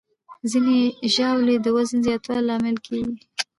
ځینې ژاولې د وزن زیاتوالي لامل کېږي.